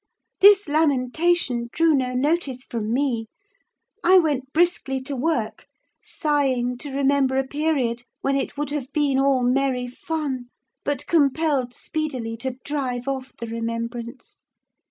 This lamentation drew no notice from me: I went briskly to work, sighing to remember a period when it would have been all merry fun; but compelled speedily to drive off the remembrance.